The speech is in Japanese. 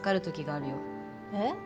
えっ？